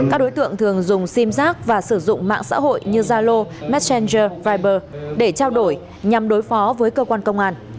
các đối tượng thường dùng sim giác và sử dụng mạng xã hội như zalo messenger viber để trao đổi nhằm đối phó với cơ quan công an